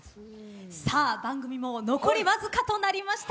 さあ番組も残りわずかとなりました。